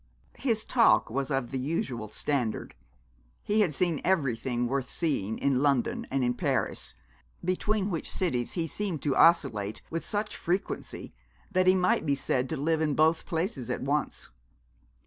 His talk was of the usual standard. He had seen everything worth seeing in London and in Paris, between which cities he seemed to oscillate with such frequency that he might be said to live in both places at once.